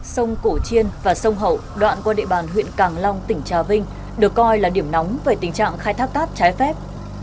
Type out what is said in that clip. sông cổ chiên và sông hậu đoạn qua địa bàn huyện càng long tỉnh trà vinh được coi là điểm nóng về tình trạng khai thác cát trái phép